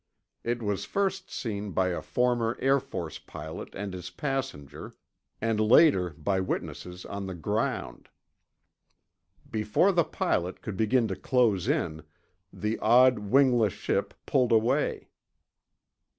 It was first seen by a former Air Force pilot and his passenger, and later by witnesses on the ground. Before the pilot could begin to close in, the odd wingless ship pulled away.